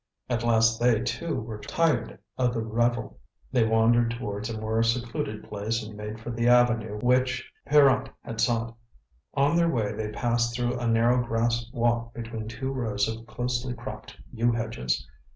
At last they too were tired of the revel, they wandered towards a more secluded place and made for the avenue which Pierrot had sought. On their way they passed through a narrow grass walk between two rows of closely cropped yew hedges.